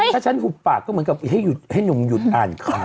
ถ้าฉันหุบปากก็เหมือนกับให้หนุ่มหยุดอ่านค้า